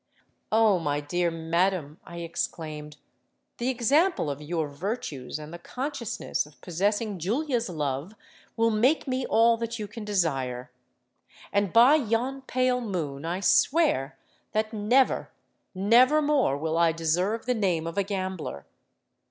'—'Oh! my dear madam,' I exclaimed, 'the example of your virtues and the consciousness of possessing Julia's love will make me all that you can desire. And by yon pale moon I swear that never—never more will I deserve the name of a gambler.